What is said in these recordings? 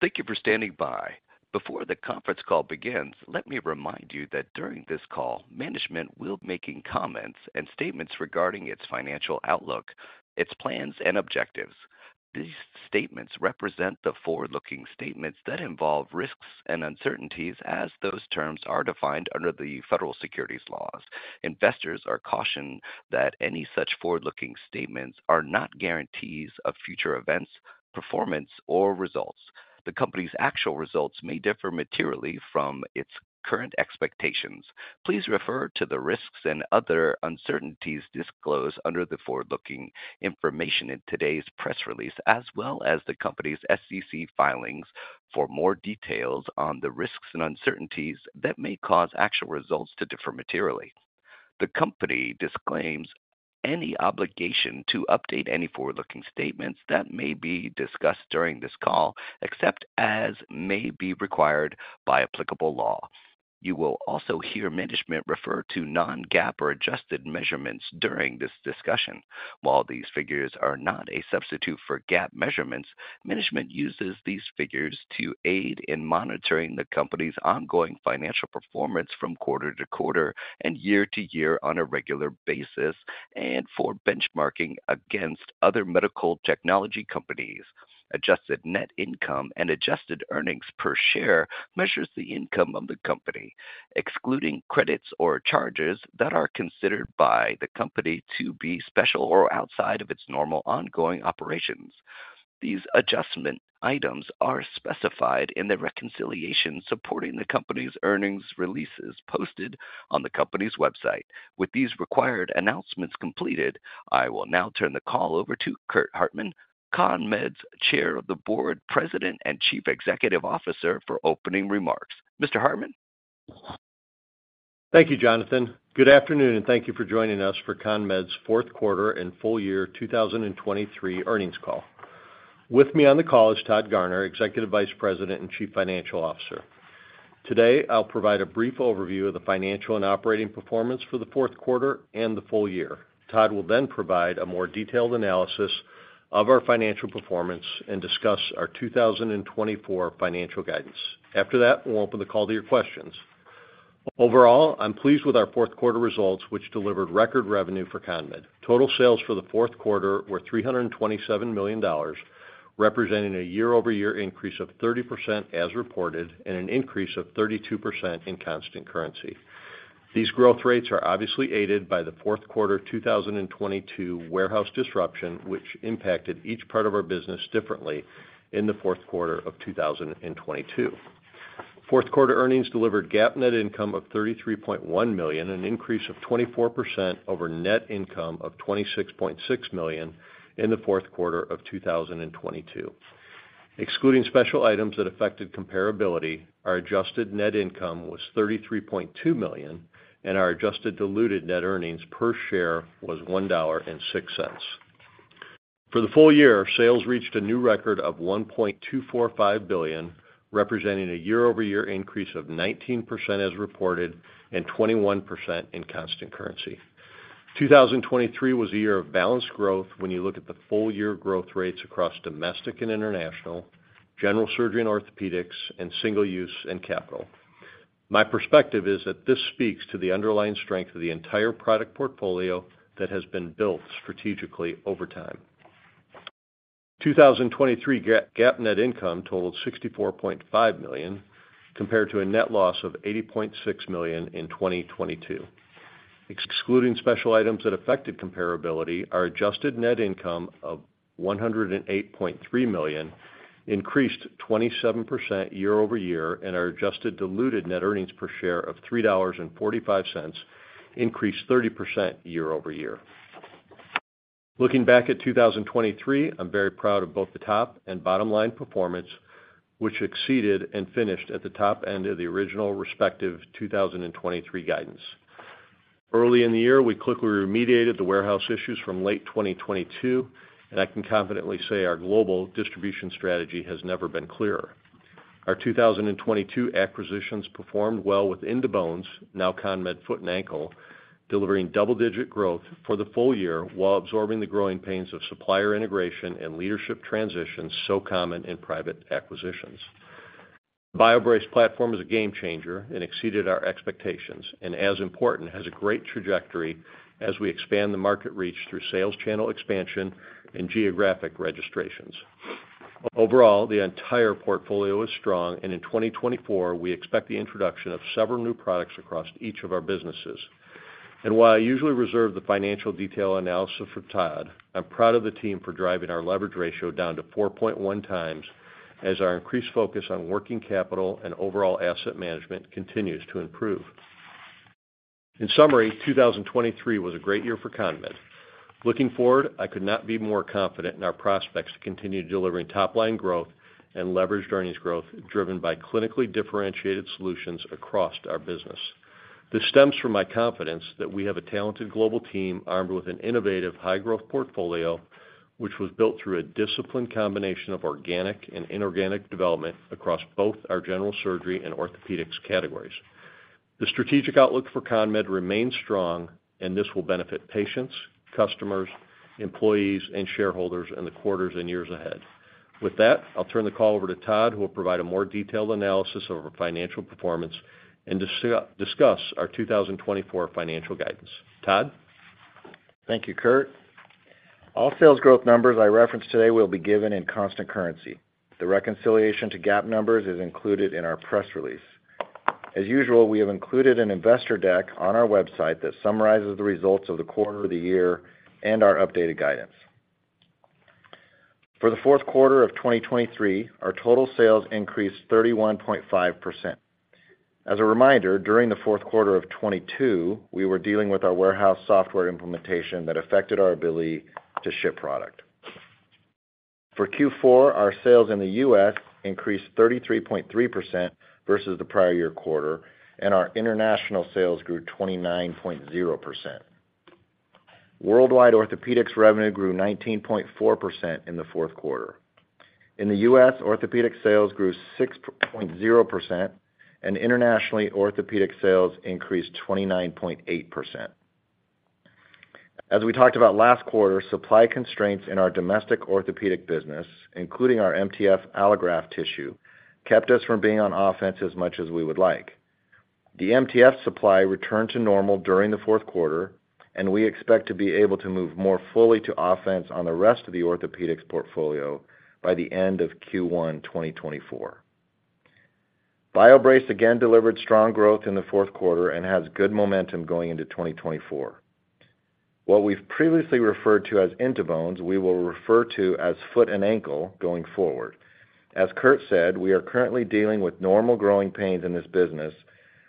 Thank you for standing by. Before the conference call begins, let me remind you that during this call, management will be making comments and statements regarding its financial outlook, its plans and objectives. These statements represent the forward-looking statements that involve risks and uncertainties as those terms are defined under the federal securities laws. Investors are cautioned that any such forward-looking statements are not guarantees of future events, performance, or results. The company's actual results may differ materially from its current expectations. Please refer to the risks and other uncertainties disclosed under the forward-looking information in today's press release, as well as the company's SEC filings, for more details on the risks and uncertainties that may cause actual results to differ materially. The company disclaims any obligation to update any forward-looking statements that may be discussed during this call, except as may be required by applicable law. You will also hear management refer to non-GAAP or adjusted measurements during this discussion. While these figures are not a substitute for GAAP measurements, management uses these figures to aid in monitoring the company's ongoing financial performance from quarter to quarter and year to year on a regular basis, and for benchmarking against other medical technology companies. Adjusted net income and adjusted earnings per share measures the income of the company, excluding credits or charges that are considered by the company to be special or outside of its normal ongoing operations. These adjustment items are specified in the reconciliation supporting the company's earnings releases posted on the company's website. With these required announcements completed, I will now turn the call over to Curt Hartman, CONMED's Chair of the Board, President, and Chief Executive Officer, for opening remarks. Mr. Hartman? Thank you, Jonathan. Good afternoon, and thank you for joining us for CONMED's Fourth Quarter and Full Year 2023 Earnings Call. With me on the call is Todd Garner, Executive Vice President and Chief Financial Officer. Today, I'll provide a brief overview of the financial and operating performance for the fourth quarter and the full year. Todd will then provide a more detailed analysis of our financial performance and discuss our 2024 financial guidance. After that, we'll open the call to your questions. Overall, I'm pleased with our fourth quarter results, which delivered record revenue for CONMED. Total sales for the fourth quarter were $327 million, representing a year-over-year increase of 30% as reported, and an increase of 32% in constant currency. These growth rates are obviously aided by the fourth quarter 2022 warehouse disruption, which impacted each part of our business differently in the fourth quarter of 2022. Fourth quarter earnings delivered GAAP net income of $33.1 million, an increase of 24% over net income of $26.6 million in the fourth quarter of 2022. Excluding special items that affected comparability, our adjusted net income was $33.2 million, and our adjusted diluted net earnings per share was $1.06. For the full year, sales reached a new record of $1.245 billion, representing a year-over-year increase of 19% as reported, and 21% in constant currency. 2023 was a year of balanced growth when you look at the full year growth rates across domestic and international, general surgery and orthopedics, and single use and capital. My perspective is that this speaks to the underlying strength of the entire product portfolio that has been built strategically over time. 2023 GAAP net income totaled $64.5 million, compared to a net loss of $80.6 million in 2022. Excluding special items that affected comparability, our adjusted net income of $108.3 million increased 27% year-over-year, and our adjusted diluted net earnings per share of $3.45 increased 30% year-over-year. Looking back at 2023, I'm very proud of both the top and bottom-line performance, which exceeded and finished at the top end of the original respective 2023 guidance. Early in the year, we quickly remediated the warehouse issues from late 2022, and I can confidently say our global distribution strategy has never been clearer. Our 2022 acquisitions performed well with In2Bones, now CONMED Foot and Ankle, delivering double-digit growth for the full year while absorbing the growing pains of supplier integration and leadership transitions so common in private acquisitions. The BioBrace platform is a game changer and exceeded our expectations, and as important, has a great trajectory as we expand the market reach through sales channel expansion and geographic registrations. Overall, the entire portfolio is strong, and in 2024, we expect the introduction of several new products across each of our businesses. While I usually reserve the financial detail analysis for Todd, I'm proud of the team for driving our leverage ratio down to 4.1x as our increased focus on working capital and overall asset management continues to improve. In summary, 2023 was a great year for CONMED. Looking forward, I could not be more confident in our prospects to continue delivering top-line growth and leveraged earnings growth, driven by clinically differentiated solutions across our business. This stems from my confidence that we have a talented global team armed with an innovative, high-growth portfolio, which was built through a disciplined combination of organic and inorganic development across both our general surgery and orthopedics categories.... The strategic outlook for CONMED remains strong, and this will benefit patients, customers, employees, and shareholders in the quarters and years ahead. With that, I'll turn the call over to Todd, who will provide a more detailed analysis of our financial performance and discuss our 2024 financial guidance. Todd? Thank you, Curt. All sales growth numbers I reference today will be given in constant currency. The reconciliation to GAAP numbers is included in our press release. As usual, we have included an investor deck on our website that summarizes the results of the quarter, the year, and our updated guidance. For the fourth quarter of 2023, our total sales increased 31.5%. As a reminder, during the fourth quarter of 2022, we were dealing with our warehouse software implementation that affected our ability to ship product. For Q4, our sales in the U.S. increased 33.3% versus the prior year quarter, and our international sales grew 29.0%. Worldwide orthopedics revenue grew 19.4% in the fourth quarter. In the U.S., orthopedic sales grew 6.0%, and internationally, orthopedic sales increased 29.8%. As we talked about last quarter, supply constraints in our domestic orthopedic business, including our MTF allograft tissue, kept us from being on offense as much as we would like. The MTF supply returned to normal during the fourth quarter, and we expect to be able to move more fully to offense on the rest of the orthopedics portfolio by the end of Q1, 2024. BioBrace again delivered strong growth in the fourth quarter and has good momentum going into 2024. What we've previously referred to as In2Bones, we will refer to as Foot and Ankle going forward. As Curt said, we are currently dealing with normal growing pains in this business,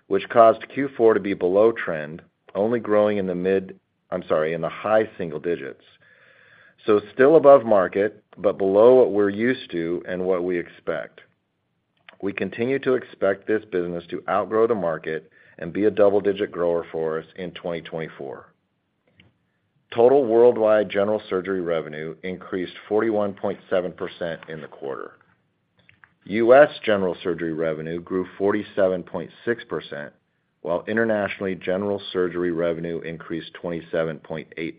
which caused Q4 to be below trend, only growing in the mid-- I'm sorry, in the high single digits. So still above market, but below what we're used to and what we expect. We continue to expect this business to outgrow the market and be a double-digit grower for us in 2024. Total worldwide general surgery revenue increased 41.7% in the quarter. U.S. general surgery revenue grew 47.6%, while internationally, general surgery revenue increased 27.8%.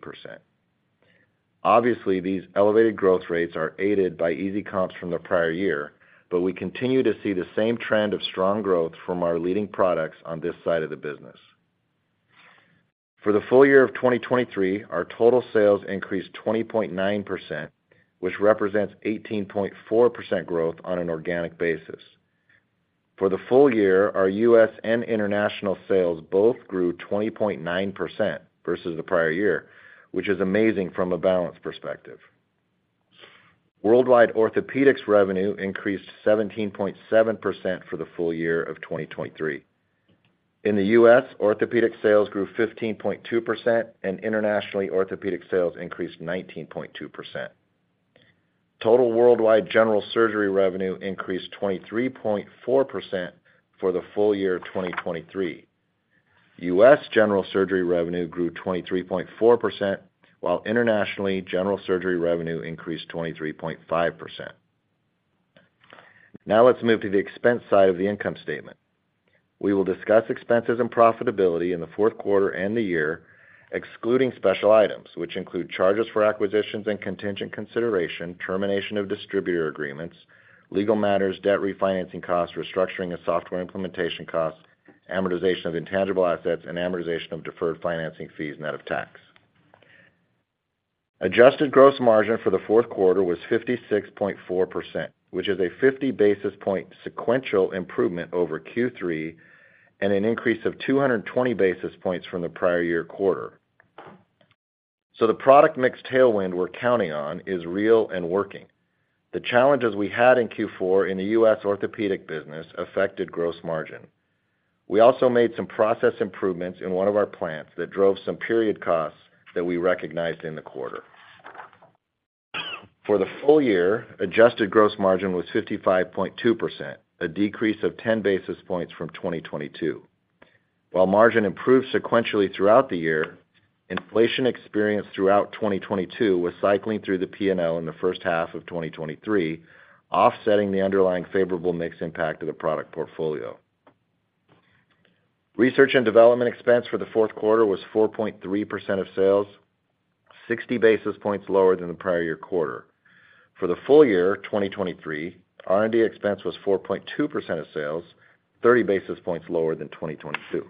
Obviously, these elevated growth rates are aided by easy comps from the prior year, but we continue to see the same trend of strong growth from our leading products on this side of the business. For the full year of 2023, our total sales increased 20.9%, which represents 18.4% growth on an organic basis. For the full year, our U.S. and international sales both grew 20.9% versus the prior year, which is amazing from a balance perspective. Worldwide orthopedics revenue increased 17.7% for the full year of 2023. In the U.S., orthopedic sales grew 15.2%, and internationally, orthopedic sales increased 19.2%. Total worldwide general surgery revenue increased 23.4% for the full year of 2023. U.S. general surgery revenue grew 23.4%, while internationally, general surgery revenue increased 23.5%. Now let's move to the expense side of the income statement. We will discuss expenses and profitability in the fourth quarter and the year, excluding special items, which include charges for acquisitions and contingent consideration, termination of distributor agreements, legal matters, debt refinancing costs, restructuring and software implementation costs, amortization of intangible assets, and amortization of deferred financing fees net of tax. adjusted gross margin for the fourth quarter was 56.4%, which is a 50 basis point sequential improvement over Q3 and an increase of 220 basis points from the prior year quarter. So the product mix tailwind we're counting on is real and working. The challenges we had in Q4 in the U.S. orthopedic business affected gross margin. We also made some process improvements in one of our plants that drove some period costs that we recognized in the quarter. For the full year, adjusted gross margin was 55.2%, a decrease of 10 basis points from 2022. While margin improved sequentially throughout the year, inflation experienced throughout 2022 was cycling through the P&L in the first half of 2023, offsetting the underlying favorable mix impact of the product portfolio. Research and development expense for the fourth quarter was 4.3% of sales, 60 basis points lower than the prior year quarter. For the full year, 2023, R&D expense was 4.2% of sales, 30 basis points lower than 2022.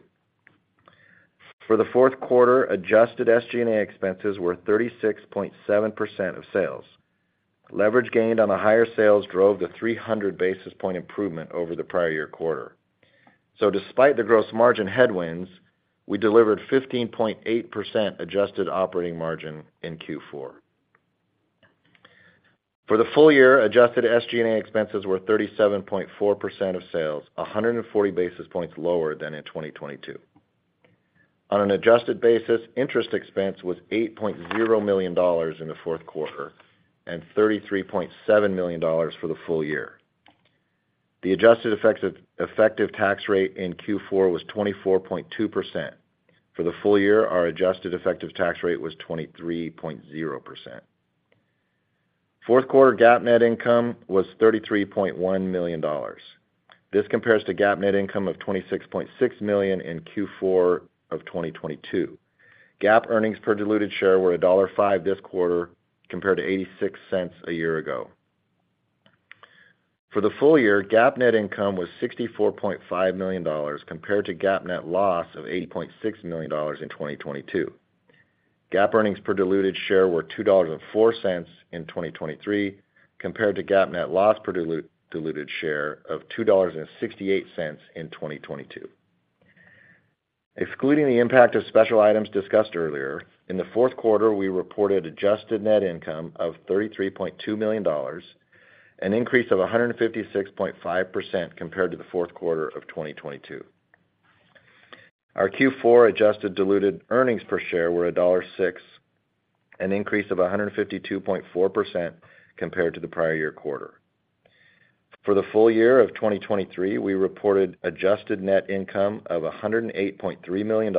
For the fourth quarter, adjusted SG&A expenses were 36.7% of sales. Leverage gained on the higher sales drove the 300 basis point improvement over the prior year quarter. So despite the gross margin headwinds, we delivered 15.8% adjusted operating margin in Q4. For the full year, adjusted SG&A expenses were 37.4% of sales, 140 basis points lower than in 2022. On an adjusted basis, interest expense was $8.0 million in the fourth quarter and $33.7 million for the full year. The adjusted effective tax rate in Q4 was 24.2%. For the full year, our adjusted effective tax rate was 23.0%.... Fourth quarter GAAP net income was $33.1 million. This compares to GAAP net income of $26.6 million in Q4 of 2022. GAAP earnings per diluted share were $1.05 this quarter, compared to $0.86 a year ago. For the full year, GAAP net income was $64.5 million, compared to GAAP net loss of $80.6 million in 2022. GAAP earnings per diluted share were $2.04 in 2023, compared to GAAP net loss per diluted share of $2.68 in 2022. Excluding the impact of special items discussed earlier, in the fourth quarter, we reported adjusted net income of $33.2 million, an increase of 156.5% compared to the fourth quarter of 2022. Our Q4 adjusted diluted earnings per share were $1.06, an increase of 152.4% compared to the prior year quarter. For the full year of 2023, we reported adjusted net income of $108.3 million,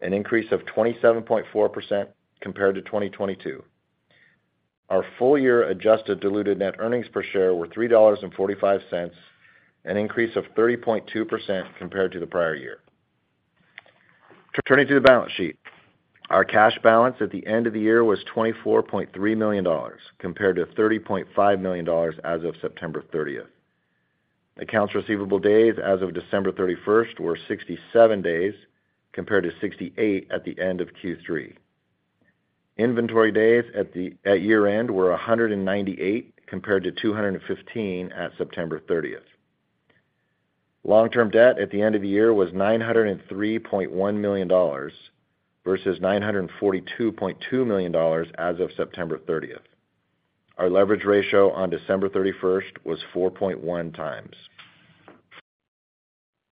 an increase of 27.4% compared to 2022. Our full year adjusted diluted net earnings per share were $3.45, an increase of 30.2% compared to the prior year. Turning to the balance sheet. Our cash balance at the end of the year was $24.3 million, compared to $30.5 million as of September 30. Accounts receivable days as of December 31 were 67 days, compared to 68 at the end of Q3. Inventory days at year-end were 198, compared to 215 at September 30. Long-term debt at the end of the year was $903.1 million, versus $942.2 million as of September 30. Our leverage ratio on December 31 was 4.1x.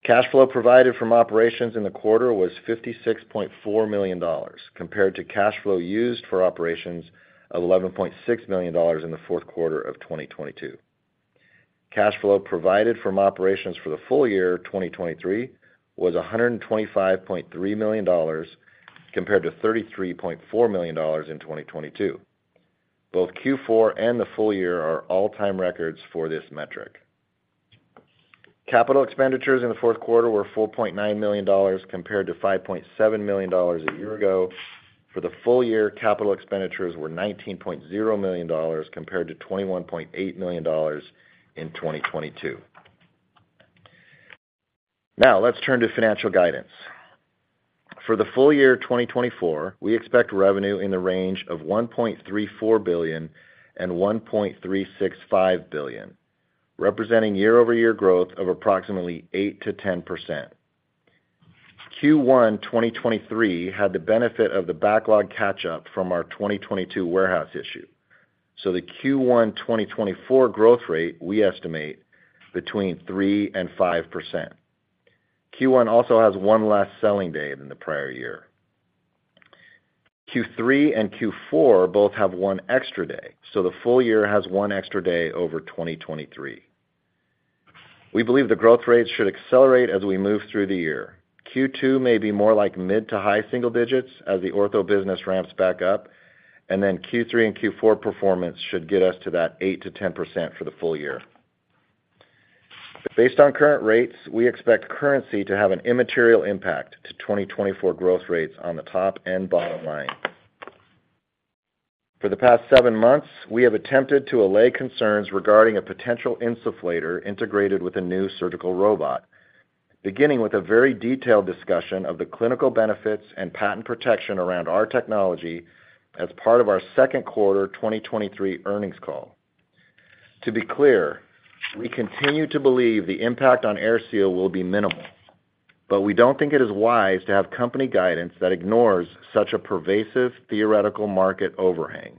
Cash flow provided from operations in the quarter was $56.4 million, compared to cash flow used for operations of $11.6 million in the fourth quarter of 2022. Cash flow provided from operations for the full year 2023 was $125.3 million, compared to $33.4 million in 2022. Both Q4 and the full year are all-time records for this metric. Capital expenditures in the fourth quarter were $4.9 million, compared to $5.7 million a year ago. For the full year, capital expenditures were $19.0 million, compared to $21.8 million in 2022. Now, let's turn to financial guidance. For the full year 2024, we expect revenue in the range of $1.34 billion and $1.365 billion, representing year-over-year growth of approximately 8%-10%. Q1 2023 had the benefit of the backlog catch-up from our 2022 warehouse issue, so the Q1 2024 growth rate, we estimate between 3% and 5%. Q1 also has one less selling day than the prior year. Q3 and Q4 both have one extra day, so the full year has one extra day over 2023. We believe the growth rates should accelerate as we move through the year. Q2 may be more like mid to high single digits as the ortho business ramps back up, and then Q3 and Q4 performance should get us to that 8%-10% for the full year. Based on current rates, we expect currency to have an immaterial impact to 2024 growth rates on the top and bottom line. For the past seven months, we have attempted to allay concerns regarding a potential insufflator integrated with a new surgical robot, beginning with a very detailed discussion of the clinical benefits and patent protection around our technology as part of our second quarter 2023 earnings call. To be clear, we continue to believe the impact on AirSeal will be minimal, but we don't think it is wise to have company guidance that ignores such a pervasive theoretical market overhang.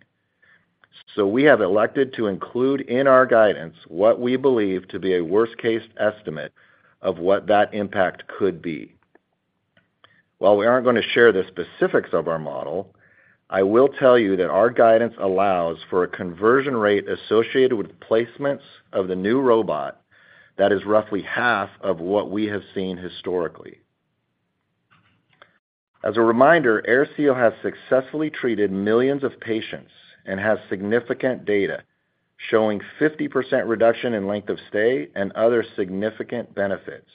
So we have elected to include in our guidance what we believe to be a worst case estimate of what that impact could be. While we aren't going to share the specifics of our model, I will tell you that our guidance allows for a conversion rate associated with placements of the new robot that is roughly half of what we have seen historically. As a reminder, AirSeal has successfully treated millions of patients and has significant data showing 50% reduction in length of stay and other significant benefits.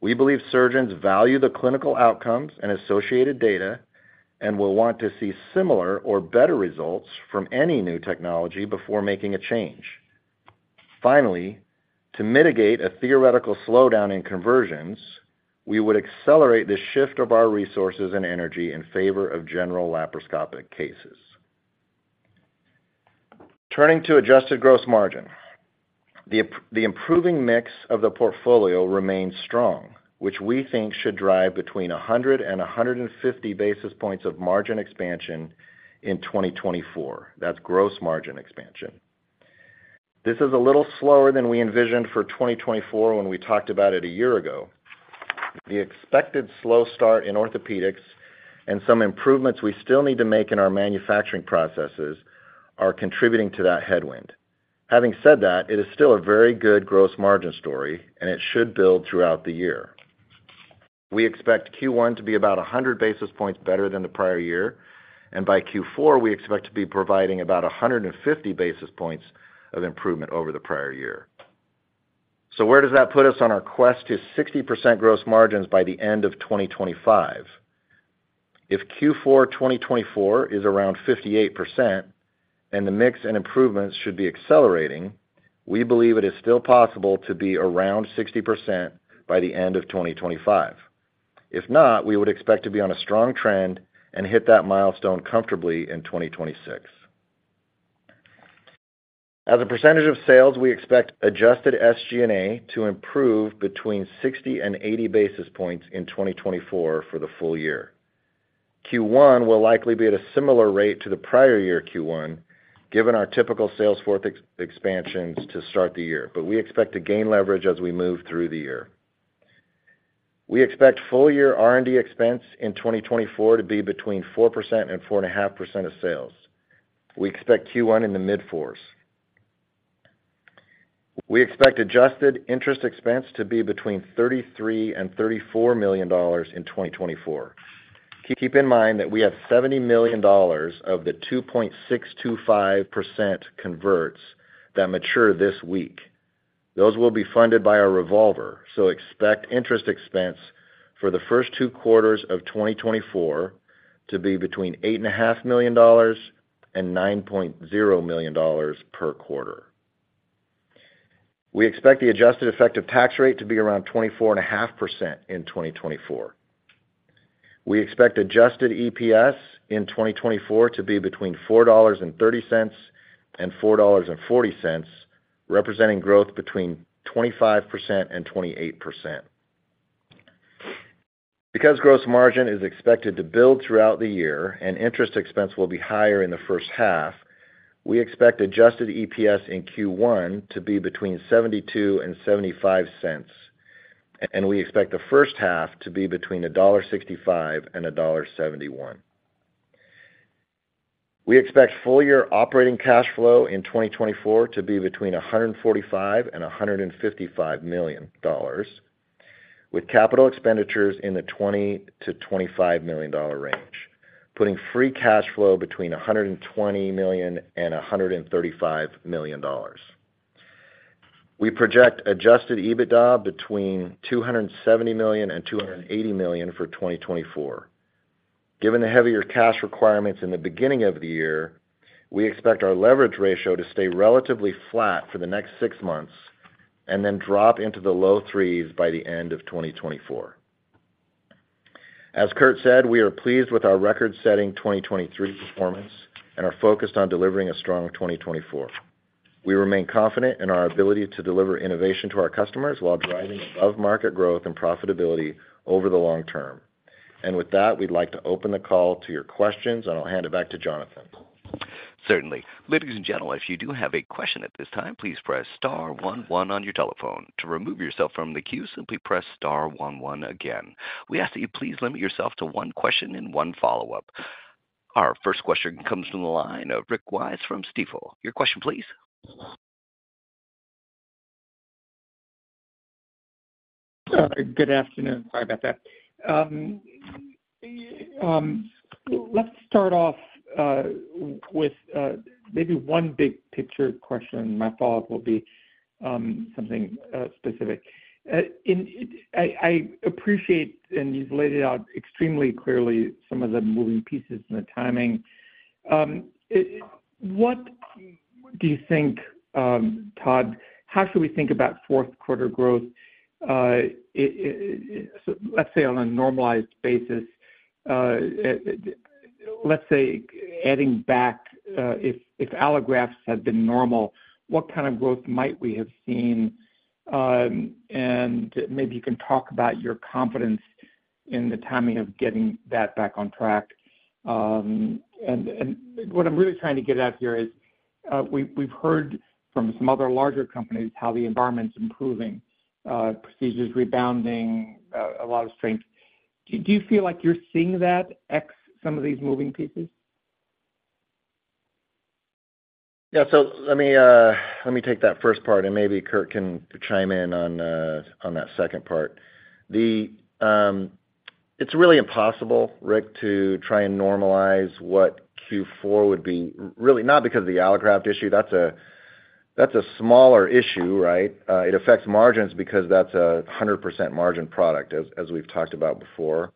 We believe surgeons value the clinical outcomes and associated data, and will want to see similar or better results from any new technology before making a change. Finally, to mitigate a theoretical slowdown in conversions, we would accelerate the shift of our resources and energy in favor of general laparoscopic cases. Turning to adjusted gross margin. The improving mix of the portfolio remains strong, which we think should drive between 100 and 150 basis points of margin expansion in 2024. That's gross margin expansion. This is a little slower than we envisioned for 2024 when we talked about it a year ago. The expected slow start in orthopedics and some improvements we still need to make in our manufacturing processes are contributing to that headwind. Having said that, it is still a very good gross margin story, and it should build throughout the year. We expect Q1 to be about 100 basis points better than the prior year, and by Q4, we expect to be providing about 150 basis points of improvement over the prior year. So where does that put us on our quest to 60% gross margins by the end of 2025? If Q4 2024 is around 58% and the mix and improvements should be accelerating, we believe it is still possible to be around 60% by the end of 2025. If not, we would expect to be on a strong trend and hit that milestone comfortably in 2026. As a percentage of sales, we expect adjusted SG&A to improve between 60 and 80 basis points in 2024 for the full year. Q1 will likely be at a similar rate to the prior year Q1, given our typical sales force expansions to start the year, but we expect to gain leverage as we move through the year. We expect full year R&D expense in 2024 to be between 4% and 4.5% of sales. We expect Q1 in the mid-4s. We expect adjusted interest expense to be between $33 million-$34 million in 2024. Keep in mind that we have $70 million of the 2.625% converts that mature this week. Those will be funded by our revolver, so expect interest expense for the first two quarters of 2024 to be between $8.5 million and $9.0 million per quarter. We expect the adjusted effective tax rate to be around 24.5% in 2024. We expect adjusted EPS in 2024 to be between $4.30 and $4.40, representing growth between 25% and 28%. Because gross margin is expected to build throughout the year and interest expense will be higher in the first half, we expect adjusted EPS in Q1 to be between $0.72 and $0.75, and we expect the first half to be between $1.65 and $1.71. We expect full year operating cash flow in 2024 to be between $145 million and $155 million, with capital expenditures in the $20 million-$25 million range, putting free cash flow between $120 million and $135 million. We project adjusted EBITDA between $270 million and $280 million for 2024. Given the heavier cash requirements in the beginning of the year, we expect our leverage ratio to stay relatively flat for the next six months and then drop into the low threes by the end of 2024. As Curt said, we are pleased with our record-setting 2023 performance and are focused on delivering a strong 2024. We remain confident in our ability to deliver innovation to our customers while driving above-market growth and profitability over the long term. And with that, we'd like to open the call to your questions, and I'll hand it back to Jonathan. Certainly. Ladies and gentlemen, if you do have a question at this time, please press star one one on your telephone. To remove yourself from the queue, simply press star one one again. We ask that you please limit yourself to one question and one follow-up. Our first question comes from the line of Rick Wise from Stifel. Your question, please? Good afternoon. Sorry about that. Let's start off with maybe one big picture question. My follow-up will be something specific. I appreciate, and you've laid it out extremely clearly, some of the moving pieces and the timing. What do you think, Todd, how should we think about fourth quarter growth, so let's say, on a normalized basis, let's say adding back, if allografts had been normal, what kind of growth might we have seen? And maybe you can talk about your confidence in the timing of getting that back on track. And what I'm really trying to get at here is, we've heard from some other larger companies how the environment's improving, procedures rebounding, a lot of strength. Do you feel like you're seeing that, ex some of these moving pieces? Yeah. So let me take that first part, and maybe Curt can chime in on that second part. It's really impossible, Rick, to try and normalize what Q4 would be, really, not because of the allograft issue. That's a smaller issue, right? It affects margins because that's a 100% margin product, as we've talked about before.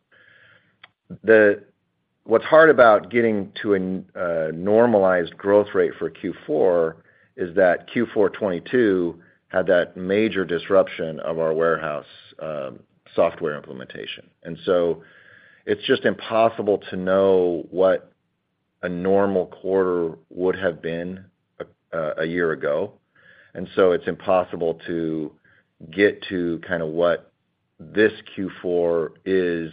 What's hard about getting to a normalized growth rate for Q4 is that Q4 2022 had that major disruption of our warehouse software implementation. And so it's just impossible to know what a normal quarter would have been a year ago. And so it's impossible to get to kind of what this Q4 is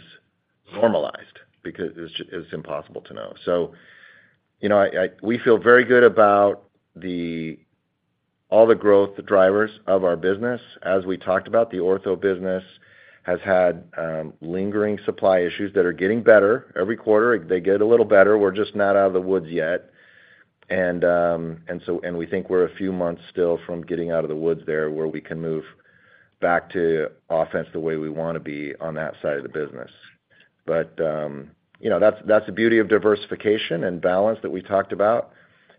normalized because it's impossible to know. So, you know, we feel very good about all the growth drivers of our business. As we talked about, the ortho business has had lingering supply issues that are getting better. Every quarter, they get a little better. We're just not out of the woods yet. And we think we're a few months still from getting out of the woods there, where we can move back to offense the way we want to be on that side of the business. But you know, that's the beauty of diversification and balance that we talked about.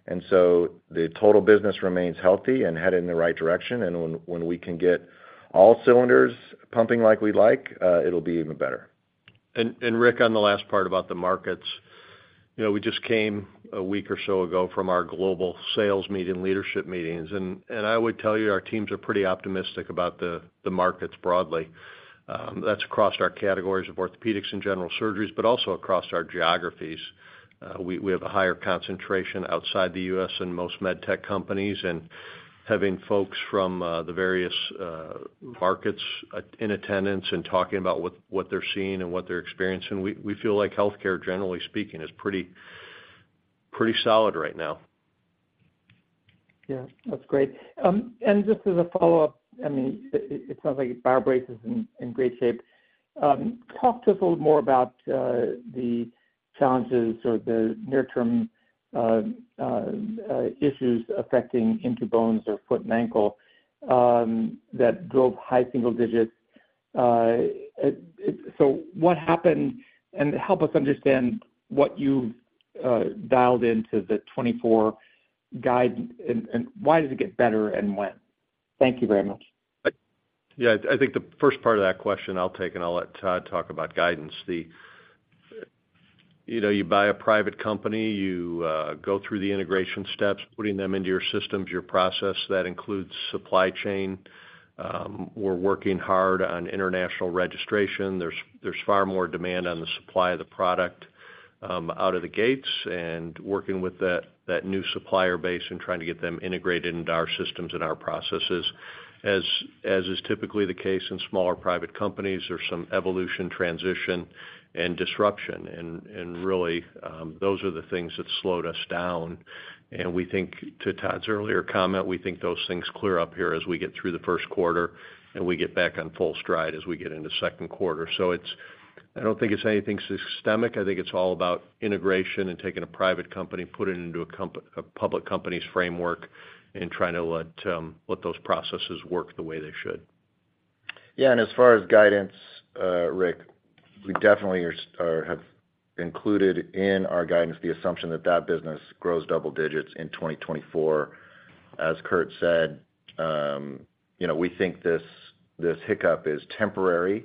And so the total business remains healthy and headed in the right direction. And when we can get all cylinders pumping like we'd like, it'll be even better. Rick, on the last part about the markets, you know, we just came a week or so ago from our global sales meeting, leadership meetings, and I would tell you, our teams are pretty optimistic about the markets broadly. That's across our categories of orthopedics and general surgeries, but also across our geographies. We have a higher concentration outside the U.S. than most med tech companies, and having folks from the various markets in attendance and talking about what they're seeing and what they're experiencing, we feel like healthcare, generally speaking, is pretty solid right now. Yeah, that's great. Just as a follow-up, I mean, it sounds like BioBrace is in great shape. Talk to us a little more about the challenges or the near-term issues affecting In2Bones or foot and ankle that drove high single digits. What happened? Help us understand what you've dialed into the 2024 guide, and why does it get better and when? Thank you very much. Yeah, I think the first part of that question I'll take, and I'll let Todd talk about guidance. You know, you buy a private company, you go through the integration steps, putting them into your systems, your process, that includes supply chain. We're working hard on international registration. There's far more demand on the supply of the product out of the gates and working with that new supplier base and trying to get them integrated into our systems and our processes. As is typically the case in smaller private companies, there's some evolution, transition, and disruption, and really those are the things that slowed us down. And we think, to Todd's earlier comment, we think those things clear up here as we get through the first quarter, and we get back on full stride as we get into second quarter. So it's not anything systemic. I think it's all about integration and taking a private company, putting it into a public company's framework and trying to let those processes work the way they should. Yeah, and as far as guidance, Rick, we definitely are have included in our guidance the assumption that that business grows double digits in 2024. As Curt said, you know, we think this, this hiccup is temporary.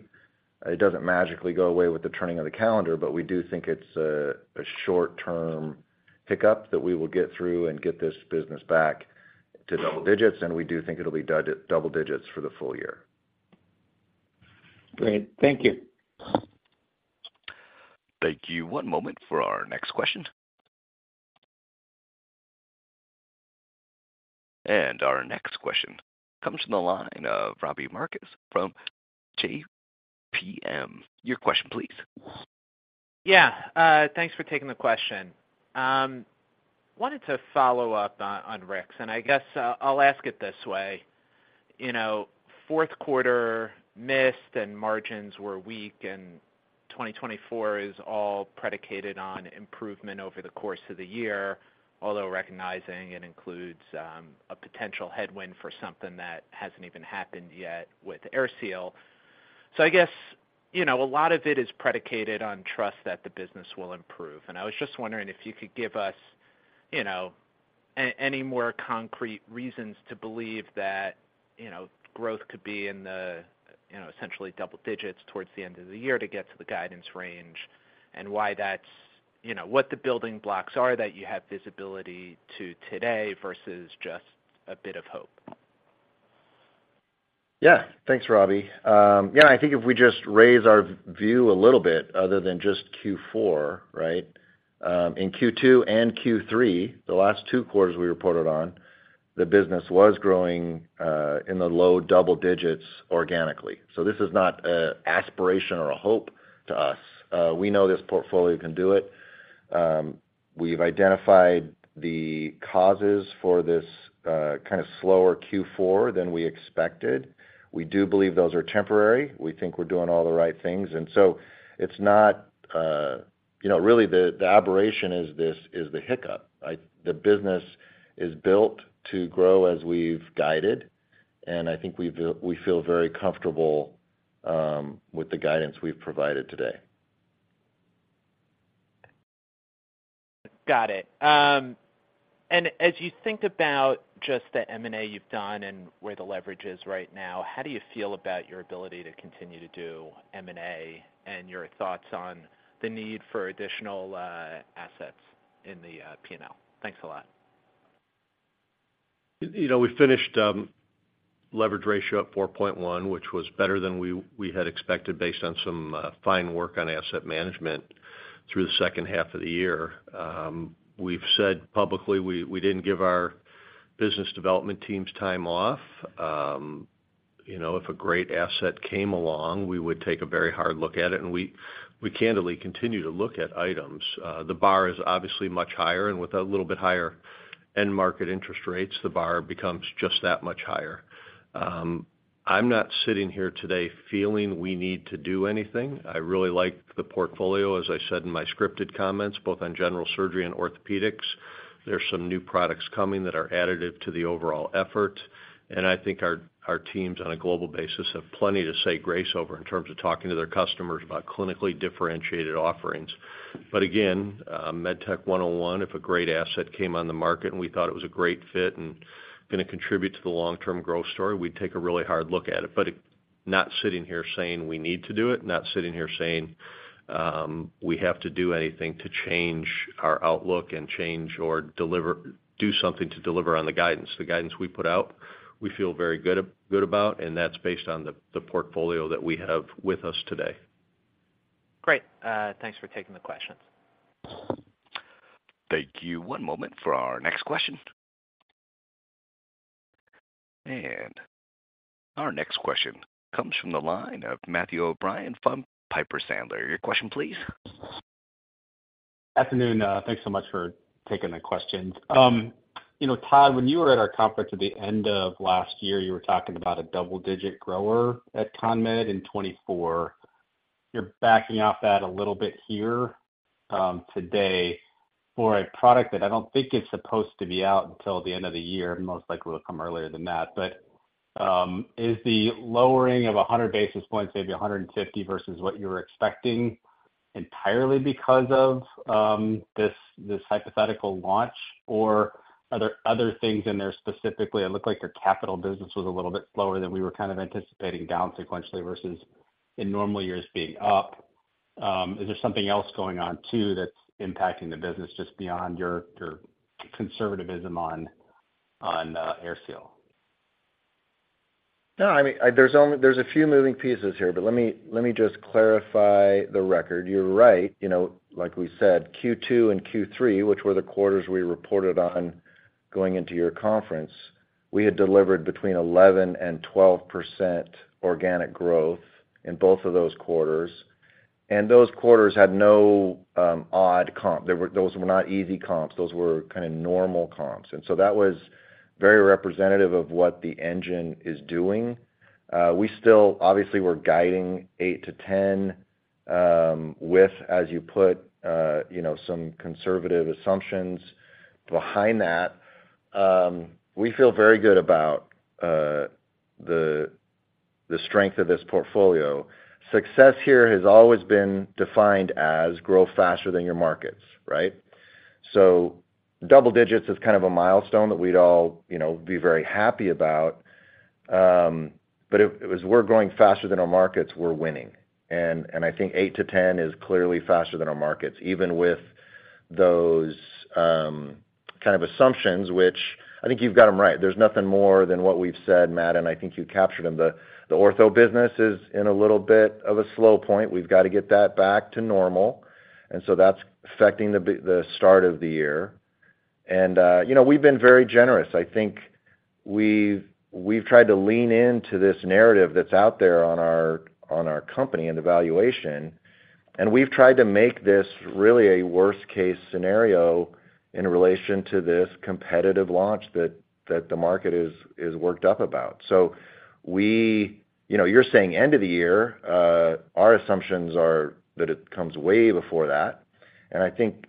It doesn't magically go away with the turning of the calendar, but we do think it's a, a short-term hiccup that we will get through and get this business back to double digits, and we do think it'll be double digits for the full year. Great. Thank you. Thank you. One moment for our next question. Our next question comes from the line of Robbie Marcus from JPMorgan. Your question, please. Yeah, thanks for taking the question. Wanted to follow up on Rick's, and I guess I'll ask it this way. You know, fourth quarter missed and margins were weak, and 2024 is all predicated on improvement over the course of the year, although recognizing it includes a potential headwind for something that hasn't even happened yet with AirSeal. So I guess, you know, a lot of it is predicated on trust that the business will improve. And I was just wondering if you could give us, you know, any more concrete reasons to believe that, you know, growth could be in the, you know, essentially double digits towards the end of the year to get to the guidance range, and why that's, you know, what the building blocks are that you have visibility to today versus just a bit of hope? Yeah. Thanks, Robbie. Yeah, I think if we just raise our view a little bit, other than just Q4, right? In Q2 and Q3, the last two quarters we reported on, the business was growing in the low double digits organically. So this is not an aspiration or a hope to us. We know this portfolio can do it. We've identified the causes for this kind of slower Q4 than we expected. We do believe those are temporary. We think we're doing all the right things, and so it's not... You know, really, the aberration is this, the hiccup, right? The business is built to grow as we've guided, and I think we feel, we feel very comfortable with the guidance we've provided today. Got it. As you think about just the M&A you've done and where the leverage is right now, how do you feel about your ability to continue to do M&A, and your thoughts on the need for additional assets in the P&L? Thanks a lot. You know, we finished leverage ratio at 4.1, which was better than we had expected based on some fine work on asset management through the second half of the year. We've said publicly, we didn't give our business development teams time off. You know, if a great asset came along, we would take a very hard look at it, and we candidly continue to look at items. The bar is obviously much higher, and with a little bit higher end market interest rates, the bar becomes just that much higher. I'm not sitting here today feeling we need to do anything. I really like the portfolio, as I said in my scripted comments, both on general surgery and orthopedics. There's some new products coming that are additive to the overall effort, and I think our teams on a global basis have plenty to say grace over in terms of talking to their customers about clinically differentiated offerings. But again, MedTech 101, if a great asset came on the market and we thought it was a great fit and gonna contribute to the long-term growth story, we'd take a really hard look at it. But it's not sitting here saying we need to do it, not sitting here saying we have to do anything to change our outlook and do something to deliver on the guidance. The guidance we put out, we feel very good about, and that's based on the portfolio that we have with us today. Great. Thanks for taking the questions. Thank you. One moment for our next question. And our next question comes from the line of Matthew O'Brien from Piper Sandler. Your question, please. Afternoon, thanks so much for taking the questions. You know, Todd, when you were at our conference at the end of last year, you were talking about a double-digit grower at CONMED in 2024. You're backing off that a little bit here today for a product that I don't think is supposed to be out until the end of the year, most likely will come earlier than that. But is the lowering of 100 basis points, maybe 150, versus what you were expecting, entirely because of this hypothetical launch, or are there other things in there specifically? It looked like your capital business was a little bit slower than we were kind of anticipating, down sequentially, versus in normal years being up. Is there something else going on, too, that's impacting the business just beyond your conservatism on AirSeal? No, I mean, there's only a few moving pieces here, but let me, let me just clarify the record. You're right, you know, like we said, Q2 and Q3, which were the quarters we reported on going into your conference, we had delivered between 11% and 12% organic growth in both of those quarters, and those quarters had no, odd comp. Those were not easy comps, those were kind of normal comps. And so that was very representative of what the engine is doing. We still... Obviously, we're guiding 8%-10%, with, as you put, you know, some conservative assumptions behind that. We feel very good about, the, the strength of this portfolio. Success here has always been defined as grow faster than your markets, right? So double digits is kind of a milestone that we'd all, you know, be very happy about. But if, as we're growing faster than our markets, we're winning. And I think 8-10 is clearly faster than our markets, even with those kind of assumptions, which I think you've got them right. There's nothing more than what we've said, Matt, and I think you captured them. The ortho business is in a little bit of a slow point. We've got to get that back to normal, and so that's affecting the start of the year. And you know, we've been very generous. I think we've tried to lean into this narrative that's out there on our company and the valuation, and we've tried to make this really a worst case scenario in relation to this competitive launch that the market is worked up about. So we... You know, you're saying end of the year, our assumptions are that it comes way before that. And I think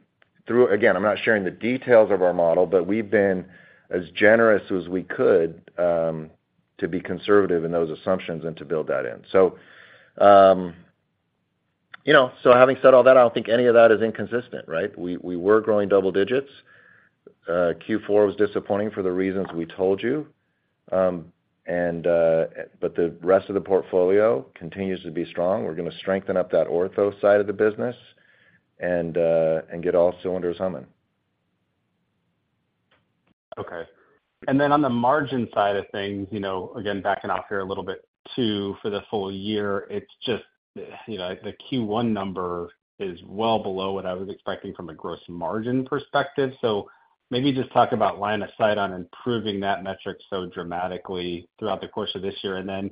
through, again, I'm not sharing the details of our model, but we've been as generous as we could to be conservative in those assumptions and to build that in. So, you know, so having said all that, I don't think any of that is inconsistent, right? We were growing double digits. Q4 was disappointing for the reasons we told you. But the rest of the portfolio continues to be strong. We're going to strengthen up that ortho side of the business and, and get all cylinders humming. Okay. And then on the margin side of things, you know, again, backing off here a little bit, too, for the full year, it's just, you know, the Q1 number is well below what I was expecting from a gross margin perspective. So maybe just talk about line of sight on improving that metric so dramatically throughout the course of this year. And then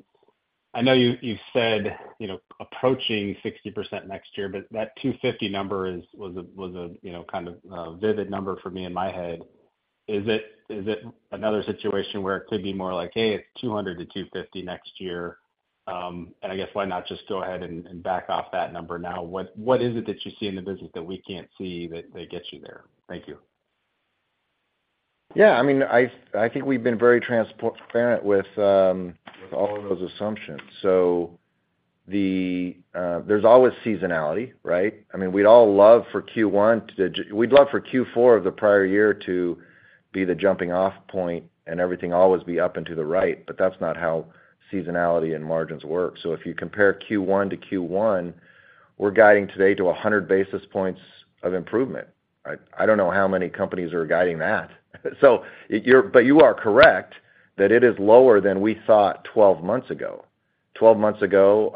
I know you, you've said, you know, approaching 60% next year, but that 250 number is was a, was a, you know, kind of a vivid number for me in my head. Is it, is it another situation where it could be more like, hey, it's 200-250 next year? And I guess why not just go ahead and back off that number now? What, what is it that you see in the business that we can't see that, that gets you there? Thank you. Yeah, I mean, I think we've been very transparent with all of those assumptions. So the, there's always seasonality, right? I mean, we'd all love for Q4 of the prior year to be the jumping off point and everything always be up and to the right, but that's not how seasonality and margins work. So if you compare Q1 to Q1, we're guiding today to 100 basis points of improvement. I don't know how many companies are guiding that. So, but you are correct that it is lower than we thought 12 months ago. 12 months ago,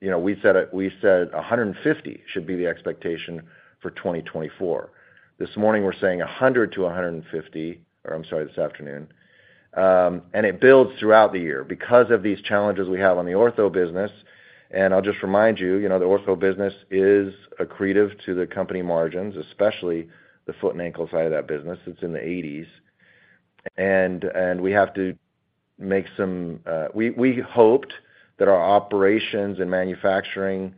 you know, we said we said 150 should be the expectation for 2024. This morning, we're saying 100 to 150, or I'm sorry, this afternoon, and it builds throughout the year. Because of these challenges we have on the ortho business. I'll just remind you, you know, the ortho business is accretive to the company margins, especially the foot and ankle side of that business. It's in the eighties. And we have to make some. We hoped that our operations and manufacturing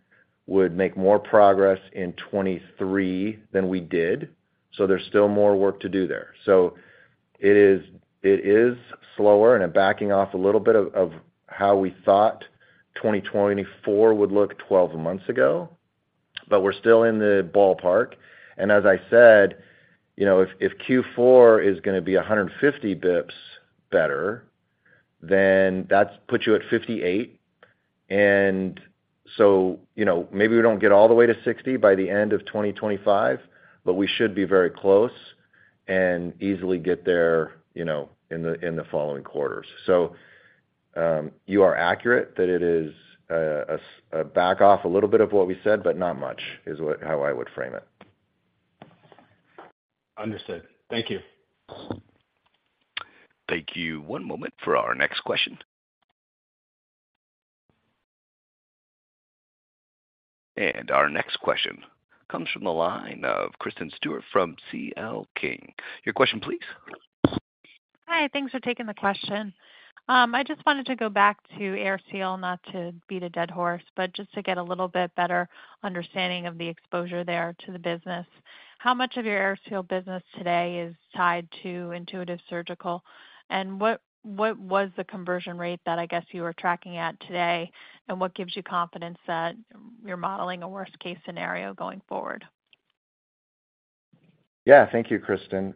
would make more progress in 2023 than we did, so there's still more work to do there. So it is slower and backing off a little bit of how we thought 2024 would look twelve months ago, but we're still in the ballpark. And as I said, you know, if Q4 is gonna be 150 basis points better, then that puts you at 58. And so, you know, maybe we don't get all the way to 60 by the end of 2025, but we should be very close and easily get there, you know, in the following quarters. So, you are accurate that it is a step back a little bit of what we said, but not much, is what how I would frame it. Understood. Thank you. Thank you. One moment for our next question. Our next question comes from the line of Kristen Stewart from CL King. Your question, please. Hi, thanks for taking the question. I just wanted to go back to AirSeal, not to beat a dead horse, but just to get a little bit better understanding of the exposure there to the business. How much of your AirSeal business today is tied to Intuitive Surgical? And what was the conversion rate that I guess you were tracking at today, and what gives you confidence that you're modeling a worst case scenario going forward? Yeah. Thank you, Kristen.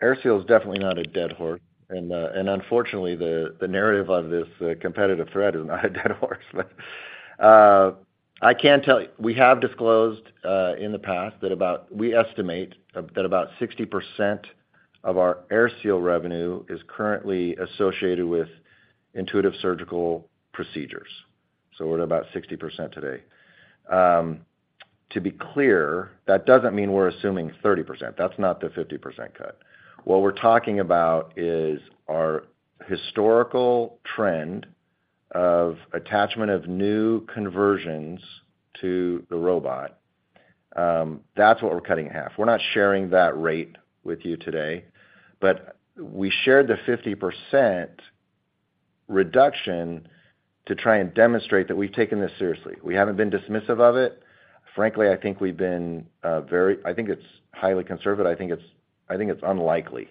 AirSeal is definitely not a dead horse, and unfortunately, the narrative of this competitive threat is not a dead horse. I can tell-- we have disclosed in the past that about-- we estimate that about 60% of our AirSeal revenue is currently associated with Intuitive Surgical procedures, so we're at about 60% today. To be clear, that doesn't mean we're assuming 30%. That's not the 50% cut. What we're talking about is our historical trend of attachment of new conversions to the robot. That's what we're cutting in half. We're not sharing that rate with you today, but we shared the 50% reduction to try and demonstrate that we've taken this seriously. We haven't been dismissive of it. Frankly, I think we've been very-- I think it's highly conservative. I think it's unlikely